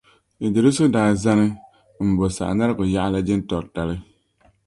Iddrisu daa zani m-bo Sagnarigu yaɣili jintɔri tali